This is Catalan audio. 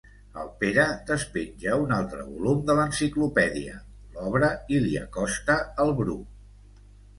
El Pere despenja un altre volum de l'enciclopèdia, l'obre i li acosta al Bru.